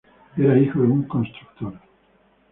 Era hijo de un constructor.